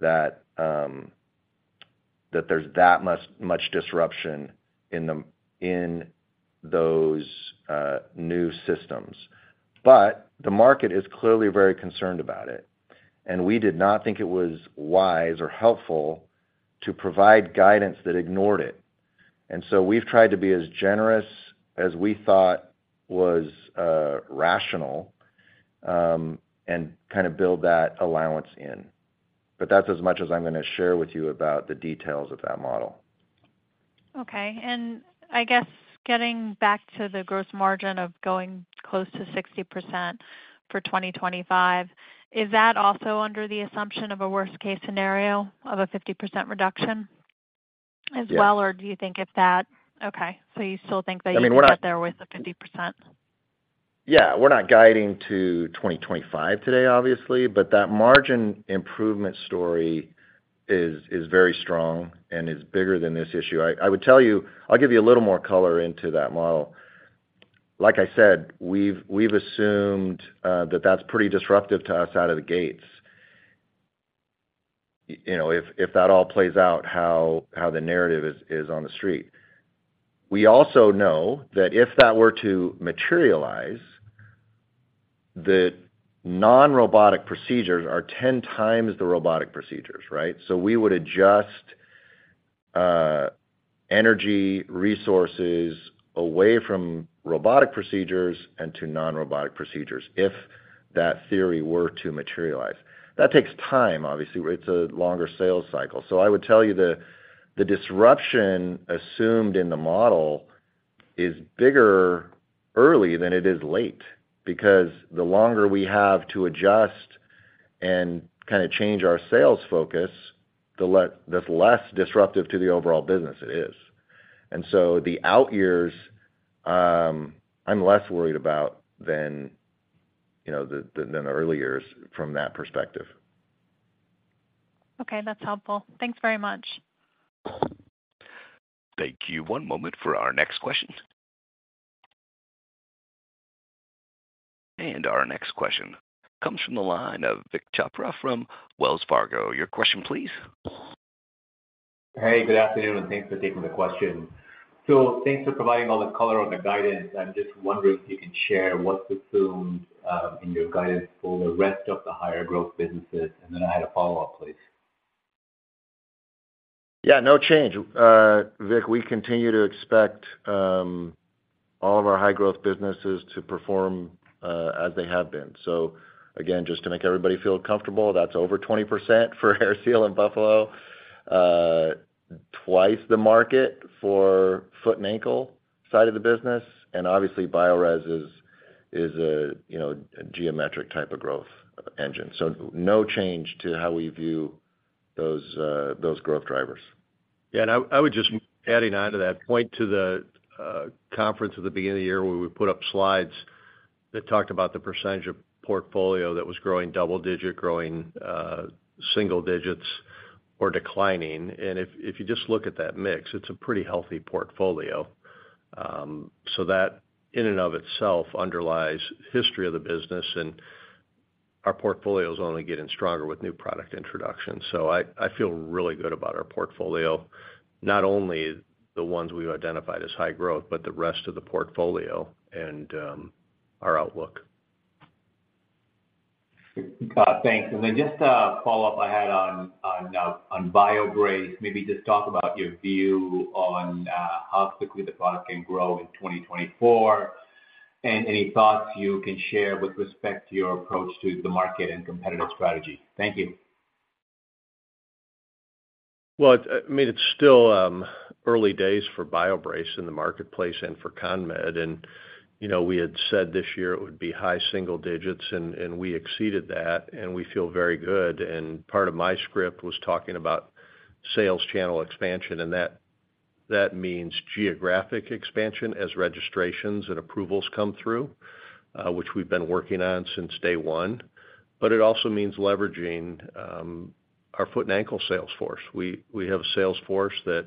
that that there's that much much disruption in the in those new systems. But the market is clearly very concerned about it, and we did not think it was wise or helpful to provide guidance that ignored it. And so we've tried to be as generous as we thought was rational and kind of build that allowance in. But that's as much as I'm gonna share with you about the details of that model. Okay. And I guess getting back to the gross margin of going close to 60% for 2025, is that also under the assumption of a worst case scenario of a 50% reduction as well? Yeah. Or do you think if that... Okay, so you still think that- I mean, we're not- You can get there with the 50%? Yeah, we're not guiding to 2025 today, obviously, but that margin improvement story is very strong and is bigger than this issue. I would tell you—I'll give you a little more color into that model. Like I said, we've assumed that that's pretty disruptive to us out of the gates. You know, if that all plays out, how the narrative is on the street. We also know that if that were to materialize, the non-robotic procedures are 10 times the robotic procedures, right? So we would adjust energy, resources away from robotic procedures and to non-robotic procedures if that theory were to materialize. That takes time, obviously. It's a longer sales cycle. So I would tell you the disruption assumed in the model is bigger early than it is late, because the longer we have to adjust and kinda change our sales focus, the less disruptive to the overall business it is. And so the out years, I'm less worried about than you know than the early years from that perspective. Okay, that's helpful. Thanks very much. Thank you. One moment for our next question. And our next question comes from the line of Vik Chopra from Wells Fargo. Your question, please. Hey, good afternoon, and thanks for taking the question. So thanks for providing all the color on the guidance. I'm just wondering if you can share what's assumed in your guidance for the rest of the higher growth businesses. And then I had a follow-up, please. Yeah, no change. Vik, we continue to expect all of our high growth businesses to perform as they have been. So again, just to make everybody feel comfortable, that's over 20% for AirSeal and Buffalo, twice the market for foot and ankle side of the business, and obviously, Biorez is a, you know, a geometric type of growth engine. So no change to how we view-... those, those growth drivers. Yeah, and I, I would just, adding on to that, point to the conference at the beginning of the year, where we put up slides that talked about the percentage of portfolio that was growing double digit, growing single digits or declining. And if, if you just look at that mix, it's a pretty healthy portfolio. So that, in and of itself, underlies history of the business, and our portfolio's only getting stronger with new product introductions. So I, I feel really good about our portfolio, not only the ones we've identified as high growth, but the rest of the portfolio and our outlook. Thanks. And then just a follow-up I had on BioBrace. Maybe just talk about your view on how quickly the product can grow in 2024, and any thoughts you can share with respect to your approach to the market and competitive strategy. Thank you. Well, I mean, it's still early days for BioBrace in the marketplace and for CONMED. You know, we had said this year it would be high single digits, and we exceeded that, and we feel very good. Part of my script was talking about sales channel expansion, and that means geographic expansion as registrations and approvals come through, which we've been working on since day one. But it also means leveraging our foot and ankle sales force. We have a sales force that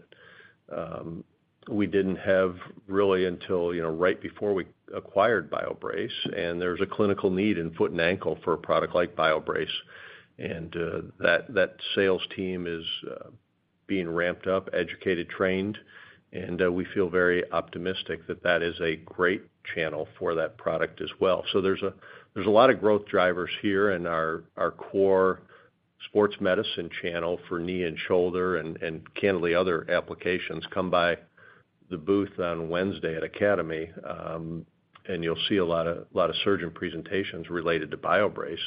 we didn't have really until, you know, right before we acquired BioBrace, and there's a clinical need in foot and ankle for a product like BioBrace. And that sales team is being ramped up, educated, trained, and we feel very optimistic that that is a great channel for that product as well. So there's a lot of growth drivers here in our core sports medicine channel for knee and shoulder, and candidly, other applications. Come by the booth on Wednesday at Academy, and you'll see a lot of surgeon presentations related to BioBrace.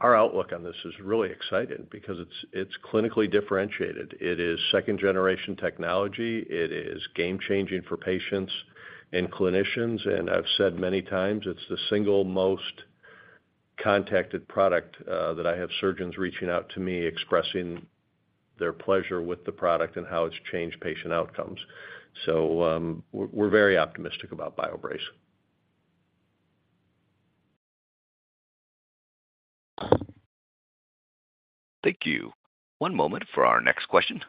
Our outlook on this is really exciting because it's clinically differentiated. It is second-generation technology. It is game-changing for patients and clinicians, and I've said many times, it's the single most contacted product that I have surgeons reaching out to me, expressing their pleasure with the product and how it's changed patient outcomes. So, we're very optimistic about BioBrace. Thank you. One moment for our next question.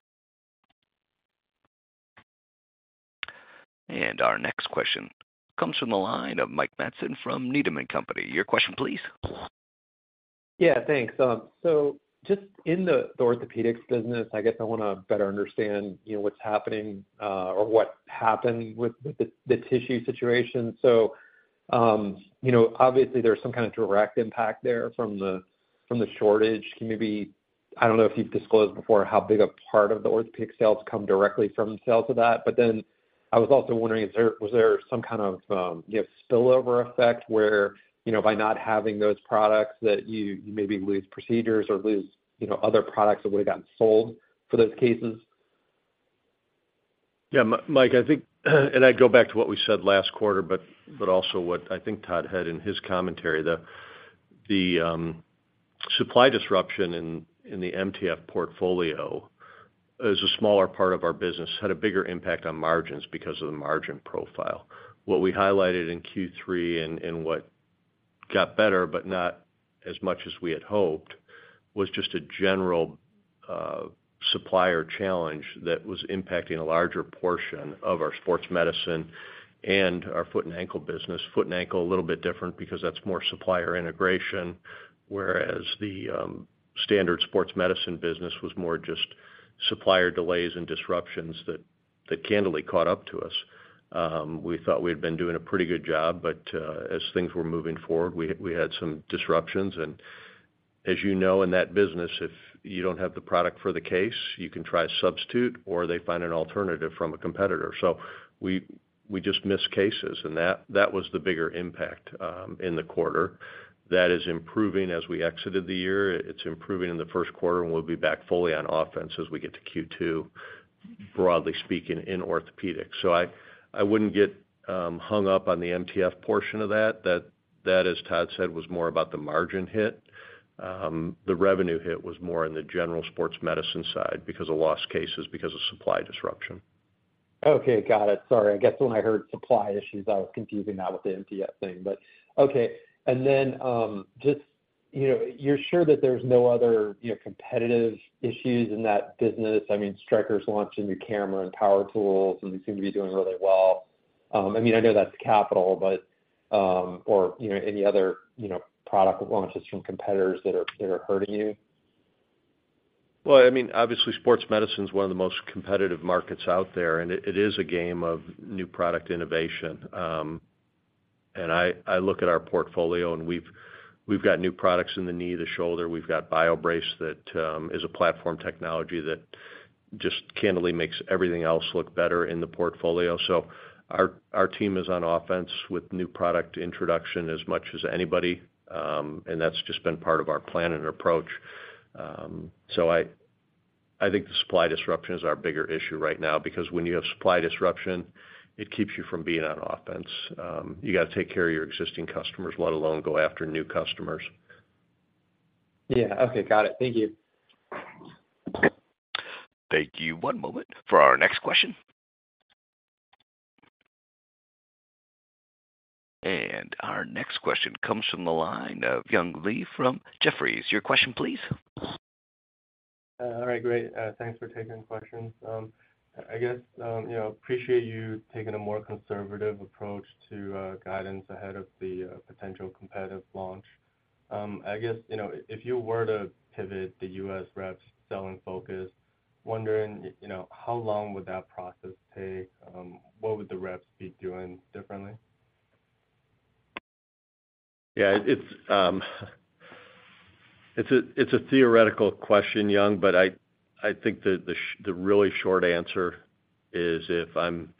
Our next question comes from the line of Mike Matson from Needham & Company. Your question please? Yeah, thanks. So just in the orthopedics business, I guess I wanna better understand, you know, what's happening or what happened with the tissue situation. So, you know, obviously there's some kind of direct impact there from the shortage. Can you maybe. I don't know if you've disclosed before how big a part of the orthopedic sales come directly from sales of that. But then I was also wondering, is there. Was there some kind of, you know, spillover effect where, you know, by not having those products, that you maybe lose procedures or lose, you know, other products that would've gotten sold for those cases? Yeah, Mike, I think, and I'd go back to what we said last quarter, but also what I think Todd had in his commentary. The supply disruption in the MTF portfolio, as a smaller part of our business, had a bigger impact on margins because of the margin profile. What we highlighted in Q3 and what got better, but not as much as we had hoped, was just a general supplier challenge that was impacting a larger portion of our sports medicine and our foot and ankle business. Foot and ankle, a little bit different because that's more supplier integration, whereas the standard sports medicine business was more just supplier delays and disruptions that candidly caught up to us. We thought we'd been doing a pretty good job, but as things were moving forward, we had some disruptions. And as you know, in that business, if you don't have the product for the case, you can try a substitute or they find an alternative from a competitor. So we, we just missed cases, and that, that was the bigger impact in the quarter. That is improving as we exited the year. It's improving in the first quarter, and we'll be back fully on offense as we get to Q2, broadly speaking, in orthopedics. So I, I wouldn't get hung up on the MTF portion of that. That, that, as Todd said, was more about the margin hit. The revenue hit was more in the general sports medicine side because of lost cases, because of supply disruption. Okay, got it. Sorry, I guess when I heard supply issues, I was confusing that with the MTF thing, but okay. And then, just, you know, you're sure that there's no other, you know, competitive issues in that business? I mean, Stryker's launched a new camera and power tools, and they seem to be doing really well. I mean, I know that's capital, but, or, you know, any other, you know, product launches from competitors that are, that are hurting you? Well, I mean, obviously, sports medicine is one of the most competitive markets out there, and it is a game of new product innovation. And I look at our portfolio, and we've got new products in the knee, the shoulder. We've got BioBrace that is a platform technology that just candidly makes everything else look better in the portfolio. So our team is on offense with new product introduction as much as anybody, and that's just been part of our plan and approach. So I think the supply disruption is our bigger issue right now, because when you have supply disruption, it keeps you from being on offense. You got to take care of your existing customers, let alone go after new customers. Yeah. Okay. Got it. Thank you. Thank you. One moment for our next question. And our next question comes from the line of Young Li from Jefferies. Your question, please. All right, great. Thanks for taking questions. I guess, you know, appreciate you taking a more conservative approach to guidance ahead of the potential competitive launch. I guess, you know, if you were to pivot the U.S. reps selling focus, wondering, you know, how long would that process take? What would the reps be doing differently? Yeah, it's a theoretical question, Young, but I think the really short answer is, if I'm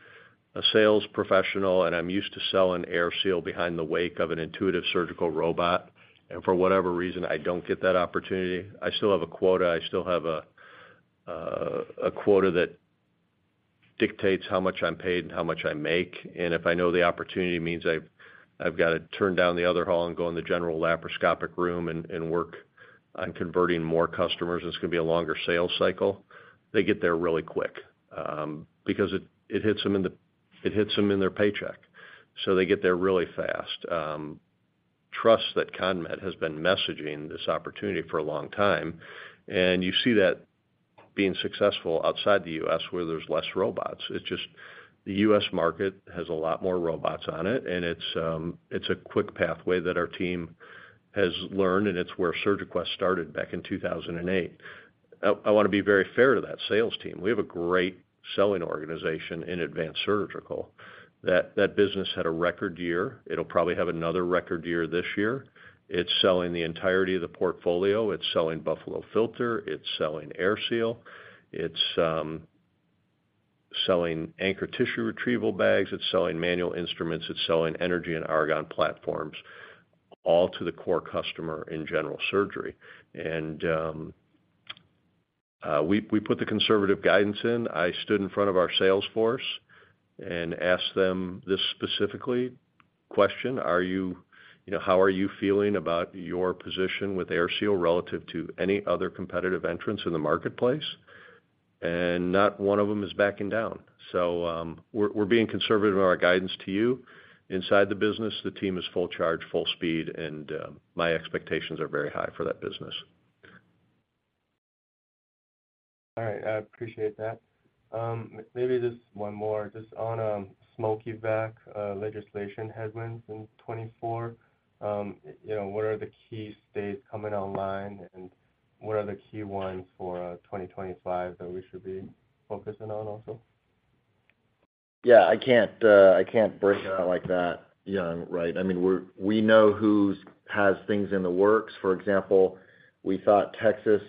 a sales professional and I'm used to selling AirSeal behind the wake of an Intuitive Surgical robot, and for whatever reason, I don't get that opportunity, I still have a quota, I still have a quota that dictates how much I'm paid and how much I make. And if I know the opportunity means I've got to turn down the other hall and go in the general laparoscopic room and work on converting more customers, and it's going to be a longer sales cycle, they get there really quick, because it hits them in their paycheck, so they get there really fast. Trust that CONMED has been messaging this opportunity for a long time, and you see that being successful outside the U.S., where there's less robots. It's just the U.S. market has a lot more robots on it, and it's a quick pathway that our team has learned, and it's where SurgiQuest started back in 2008. I want to be very fair to that sales team. We have a great selling organization in advanced surgical. That business had a record year. It'll probably have another record year this year. It's selling the entirety of the portfolio. It's selling Buffalo Filter, it's selling AirSeal, it's selling Anchor tissue retrieval bags, it's selling manual instruments, it's selling energy and argon platforms, all to the core customer in general surgery. And we put the conservative guidance in. I stood in front of our sales force and asked them this specifically, question: Are you-- you know, how are you feeling about your position with AirSeal relative to any other competitive entrants in the marketplace? And not one of them is backing down. So, we're being conservative in our guidance to you. Inside the business, the team is full charge, full speed, and, my expectations are very high for that business. All right. I appreciate that. Maybe just one more. Just on smoke evac legislation headwinds in 2024, you know, what are the key states coming online, and what are the key ones for 2025 that we should be focusing on also? Yeah, I can't, I can't break it out like that, Young, right? I mean, we know who has things in the works. For example, we thought Texas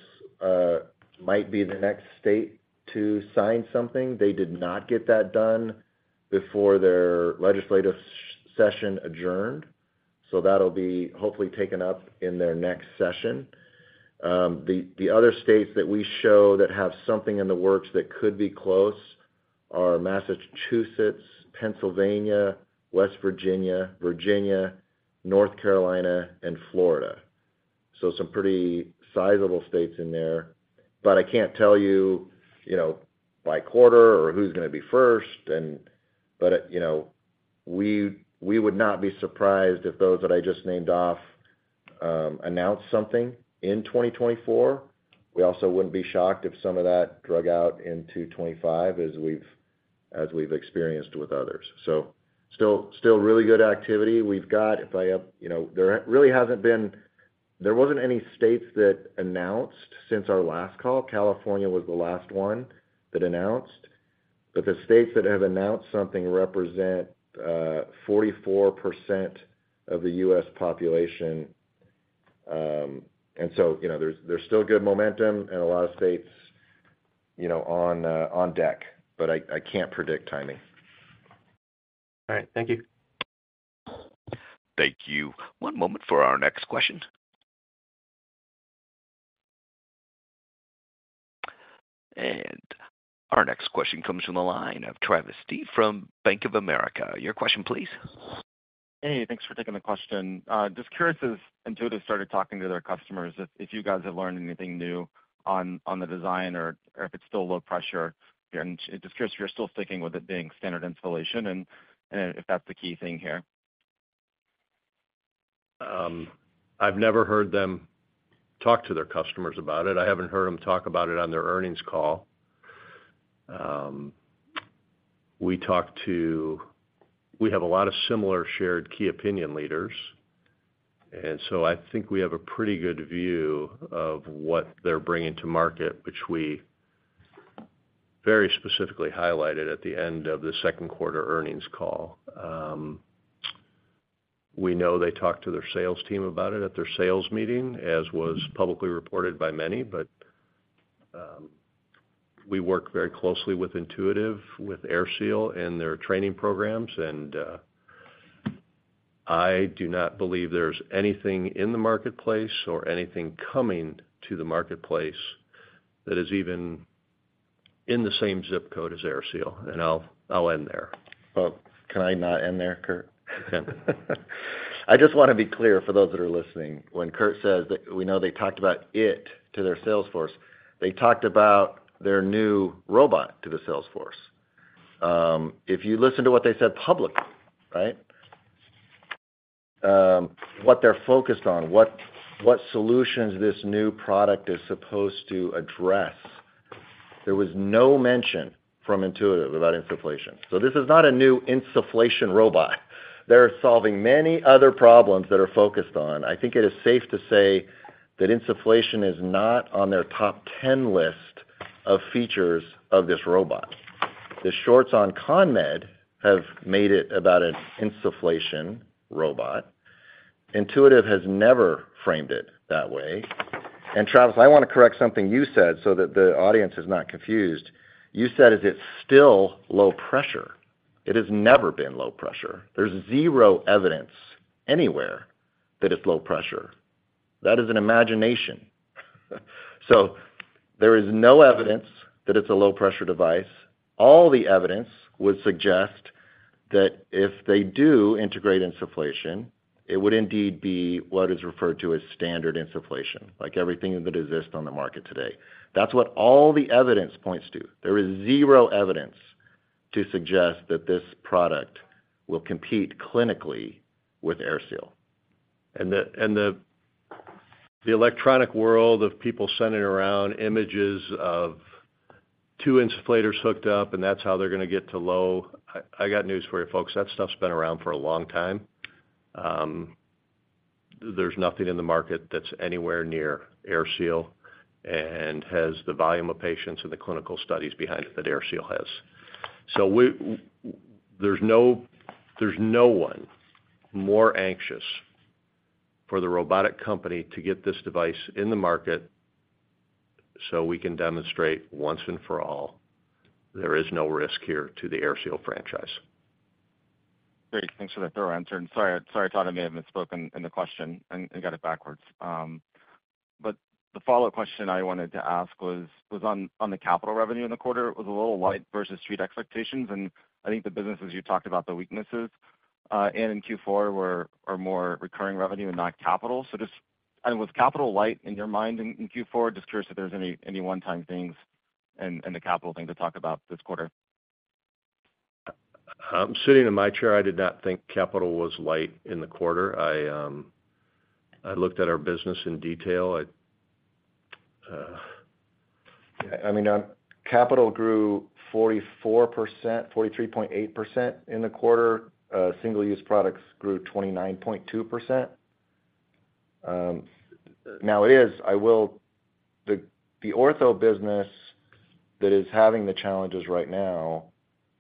might be the next state to sign something. They did not get that done before their legislative session adjourned, so that'll be hopefully taken up in their next session. The other states that we show that have something in the works that could be close are Massachusetts, Pennsylvania, West Virginia, Virginia, North Carolina, and Florida. So some pretty sizable states in there, but I can't tell you, you know, by quarter or who's going to be first and... But, you know, we would not be surprised if those that I just named off announce something in 2024. We also wouldn't be shocked if some of that drags out into 2025, as we've experienced with others. So still really good activity. We've got, you know, there really hasn't been—there wasn't any states that announced since our last call. California was the last one that announced, but the states that have announced something represent 44% of the U.S. population. And so, you know, there's still good momentum and a lot of states, you know, on deck, but I can't predict timing. All right. Thank you. Thank you. One moment for our next question. And our next question comes from the line of Travis Steed from Bank of America. Your question please. Hey, thanks for taking the question. Just curious, as Intuitive started talking to their customers, if you guys have learned anything new on the design or if it's still low pressure, and just curious if you're still sticking with it being standard insufflation and if that's the key thing here? I've never heard them talk to their customers about it. I haven't heard them talk about it on their earnings call. We have a lot of similar shared key opinion leaders, and so I think we have a pretty good view of what they're bringing to market, which we very specifically highlighted at the end of the second quarter earnings call. We know they talked to their sales team about it at their sales meeting, as was publicly reported by many. But we work very closely with Intuitive, with AirSeal and their training programs, and I do not believe there's anything in the marketplace or anything coming to the marketplace that is even in the same zip code as AirSeal, and I'll, I'll end there. Well, can I not end there, Curt? I just want to be clear for those that are listening. When Curt says that we know they talked about it to their sales force, they talked about their new robot to the sales force. If you listen to what they said publicly, right? What they're focused on, what solutions this new product is supposed to address, there was no mention from Intuitive about insufflation. So this is not a new insufflation robot. They're solving many other problems that are focused on. I think it is safe to say that insufflation is not on their top 10 list of features of this robot. The shorts on CONMED have made it about an insufflation robot. Intuitive has never framed it that way. And, Travis, I want to correct something you said so that the audience is not confused. You said, is it still low pressure? It has never been low pressure. There's zero evidence anywhere that it's low pressure. That is an imagination. So there is no evidence that it's a low-pressure device. All the evidence would suggest that if they do integrate insufflation, it would indeed be what is referred to as standard insufflation, like everything that exists on the market today. That's what all the evidence points to. There is zero evidence to suggest that this product will compete clinically with AirSeal. The electronic world of people sending around images of two insufflators hooked up, and that's how they're going to get to low. I got news for you, folks. That stuff's been around for a long time. There's nothing in the market that's anywhere near AirSeal and has the volume of patients in the clinical studies behind it that AirSeal has. So there's no one more anxious for the robotic company to get this device in the market so we can demonstrate once and for all, there is no risk here to the AirSeal franchise. Great. Thanks for the thorough answer, and sorry, sorry, I thought I may have misspoken in the question and, and got it backwards. But the follow-up question I wanted to ask was on the capital revenue in the quarter. It was a little light versus Street expectations, and I think the businesses you talked about the weaknesses and in Q4 are more recurring revenue and not capital. So was capital light in your mind in Q4? Just curious if there's any one-time things and the capital thing to talk about this quarter. Sitting in my chair, I did not think capital was light in the quarter. I, I looked at our business in detail. I mean, capital grew 44%, 43.8% in the quarter. Single-use products grew 29.2%. Now it is the ortho business that is having the challenges right now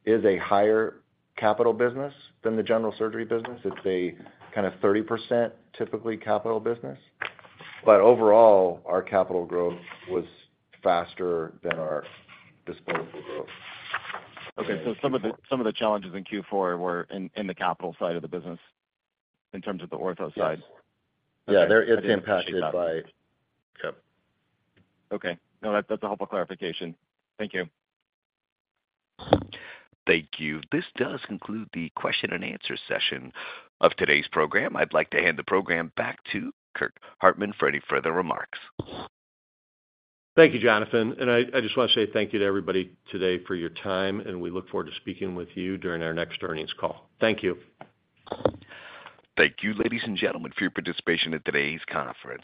is a higher capital business than the general surgery business. It's a kind of 30%, typically, capital business. But overall, our capital growth was faster than our disposable growth. Okay, so some of the challenges in Q4 were in the capital side of the business in terms of the ortho side? Yes. Yeah, they're impacted by- Yep. Okay. No, that, that's a helpful clarification. Thank you. Thank you. This does conclude the question and answer session of today's program. I'd like to hand the program back to Curt Hartman for any further remarks. Thank you, Jonathan, and I, I just want to say thank you to everybody today for your time, and we look forward to speaking with you during our next earnings call. Thank you. Thank you, ladies and gentlemen, for your participation in today's conference.